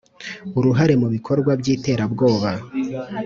uruhare mu bikorwa by iterabwoba